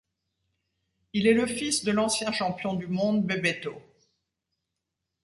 Il est le fils de l'ancien champion du monde Bebeto.